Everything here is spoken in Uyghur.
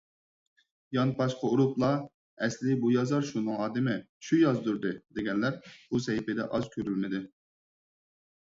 يانپاشقا ئۇرۇپلا ئەسلىي بۇ يازار شۇنىڭ ئادىمى، شۇ يازدۇردى، دېگەنلەر بۇ سەھىپىدە ئاز كۆرۈلمىدى.